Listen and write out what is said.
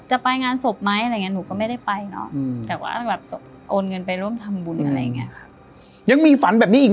หายโหงหมดเลยอะ